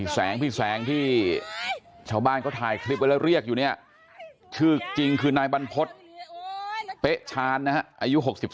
แสงที่ชาวบ้านก็ถ่ายคลิปแล้วเรียกอยู่เนี่ยคือจริงคือนายบรรพฤติเป๊ะชาญนะอายุ๖๓ปี